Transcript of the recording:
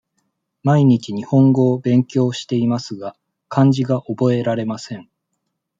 毎日日本語を勉強していますが、漢字が覚えられません。